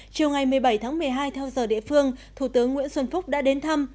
chiều ngày một mươi bảy tháng một mươi hai theo giờ địa phương thủ tướng nguyễn xuân phúc đã đến thăm